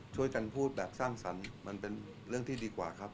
ช่วยกันพูดสร้างสรรค์หรือเป็นเรื่องที่ดีกว่า